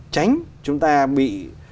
tránh chúng ta bị